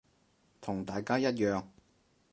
同大家一樣